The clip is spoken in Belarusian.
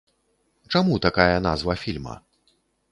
Чаму такая назва фільма?